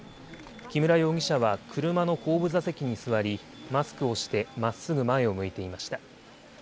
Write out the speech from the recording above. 木村容疑者は車の後部座席に座りマスクをしてまっすぐ前を向いていました。